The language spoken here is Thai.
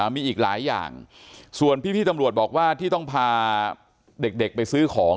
มีอีกหลายอย่างส่วนพี่ตำรวจบอกว่าที่ต้องพาเด็กไปซื้อของ